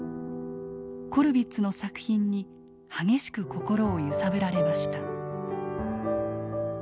コルヴィッツの作品に激しく心を揺さぶられました。